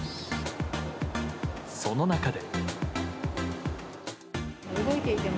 その中で。